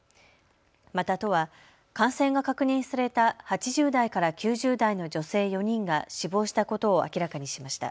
また都は感染が確認された８０代から９０代の女性４人が死亡したことを明らかにしました。